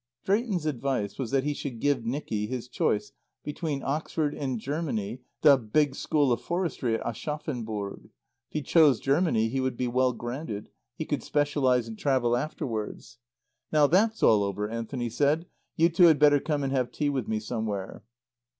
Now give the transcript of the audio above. Drayton's advice was that he should give Nicky his choice between Oxford and Germany, the big School of Forestry at Aschaffenburg. If he chose Germany, he would be well grounded; he could specialize and travel afterwards. "Now that's all over," Anthony said, "you two had better come and have tea with me somewhere."